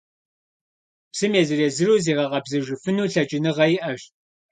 Псым езыр-езыру зигъэкъэбзэжыфыну лъэкӀыныгъэ иӀэщ.